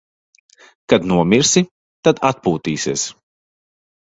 Kad nomirsi, tad atpūtīsies.